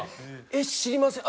「えっ知りません」